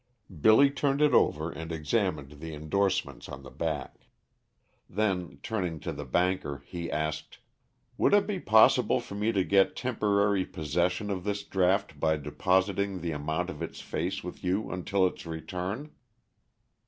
Billy turned it over and examined the indorsements on the back. Then, turning to the banker, he asked: "Would it be possible for me to get temporary possession of this draft by depositing the amount of its face with you until its return?"